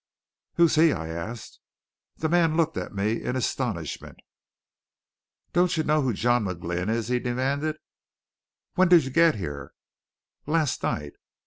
"Who's he?" I asked. The man looked at me in astonishment. "Don't know who John McGlynn is?" he demanded. "When did you get here?" "Last night."